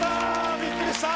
びっくりした。